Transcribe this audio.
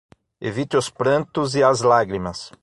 Evite os prantos e as lágrimas